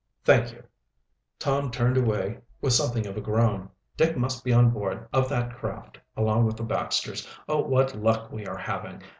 "Thank you." Tom turned away with something of a groan. "Dick must be on board of that craft, along with the Baxters. Oh, what luck we are having!